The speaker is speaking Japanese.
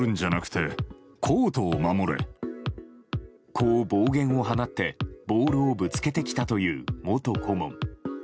こう暴言を放って、ボールをぶつけてきたという元顧問。